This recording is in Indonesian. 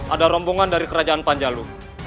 ada rombongan dari kerajaan panjalu